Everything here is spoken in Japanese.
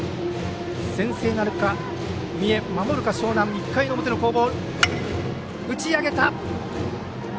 先制なるか三重守るか樟南、１回の攻防。